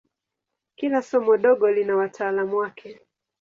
Kila somo dogo lina wataalamu wake.